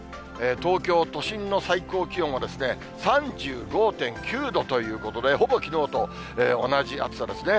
東京都心の最高気温は３５．９度ということで、ほぼきのうと同じ暑さですね。